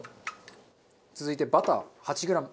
続いてバター８グラム。